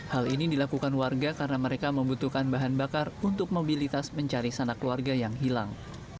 hal ini dilakukan warga karena mereka membutuhkan bahan bakar untuk mobilitas mencari sanak keluarga yang hilang